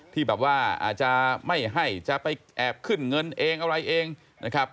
ที่แบบว่าอาจจะไม่ให้จะไปแอบขึ้นเงินเองอะไรเองนะครับ